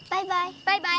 バイバイ。